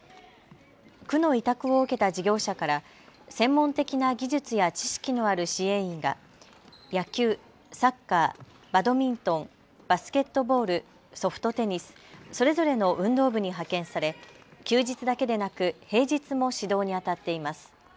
区の委託を受けた事業者から専門的な技術や知識のある支援員が野球、サッカー、バドミントン、バスケットボール、ソフトテニス、それぞれの運動部に派遣され休日だけでなく平日も指導にあたっています。